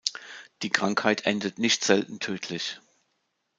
Die Krankheit endet nicht selten tödlich.